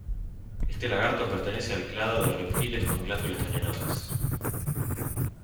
Este lagarto pertenece al clado de reptiles con glándulas venenosas.